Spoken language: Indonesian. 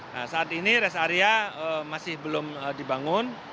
nah saat ini rest area masih belum dibangun